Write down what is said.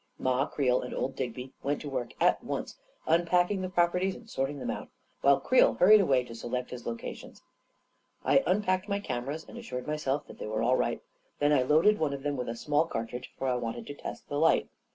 Ma Creel and old Digby went to work at once unpacking the properties and sorting them out, while Creel hurried away to select his locations. I unpacked my cameras and assured myself that they were all right; then I loaded one of them with a small cartridge, for I wanted to test the light.